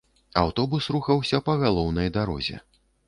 Аўтобус рухаўся па галоўнай дарозе.